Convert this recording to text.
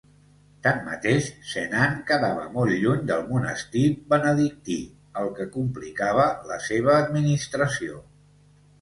Tanmateix, Senan quedava molt lluny del monestir benedictí el que complicava la seva administració.